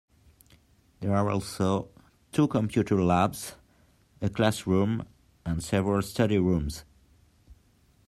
There are also two computer labs, a classroom and several study rooms.